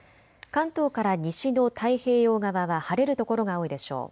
関東から西の太平洋側は晴れる所が多いでしょう。